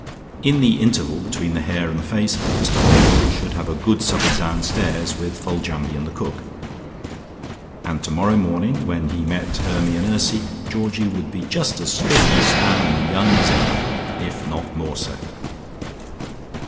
In the interval between the hair and the face, Mr Holroyd should have a good supper downstairs with Foljambe and the cook. And tomorrow morning, when he met Hermy and Ursy, Georgie would be just as spick and span and young as ever, if not more so.